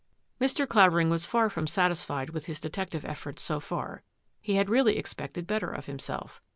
Mr. Clavering was far from satisfied with his detective efforts so far. He had really expected better of himself.